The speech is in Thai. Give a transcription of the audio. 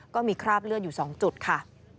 คราบเลือดอยู่๒จุดค่ะ